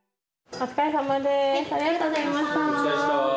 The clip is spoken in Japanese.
お疲れさまでした。